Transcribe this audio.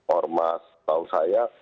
ormas tahu saya